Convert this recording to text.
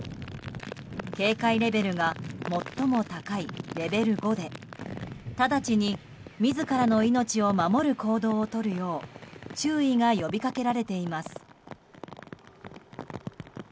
警戒レベルが最も高いレベル５で直ちに自らの命を守る行動をとるよう注意が呼びかけられています。